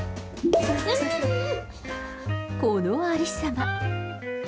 このありさま。